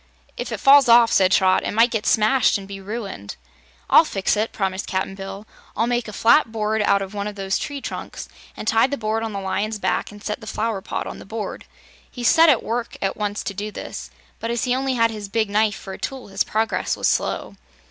"If it falls off," said Trot, "it might get smashed an' be ruined." "I'll fix it," promised Cap'n Bill. "I'll make a flat board out of one of these tree trunks, an' tie the board on the lion's back, an' set the flower pot on the board." He set to work at once to do this, but as he only had his big knife for a tool his progress was slow.